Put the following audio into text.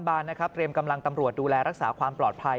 บานนะครับเตรียมกำลังตำรวจดูแลรักษาความปลอดภัย